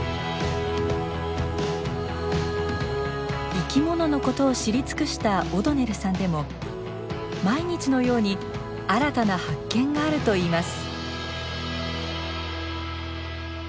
生き物のことを知り尽くしたオドネルさんでも毎日のように新たな発見があるといいます。